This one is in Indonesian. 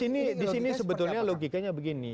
nah disini sebetulnya logikanya begini